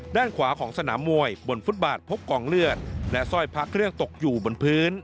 ด้านขวาของสนามมวยบนฟุตบาทพบกองเลือดและสร้อยพระเครื่องตกอยู่บนพื้น